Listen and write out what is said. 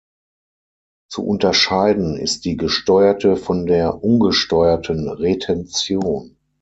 Zu unterscheiden ist die gesteuerte von der ungesteuerten Retention.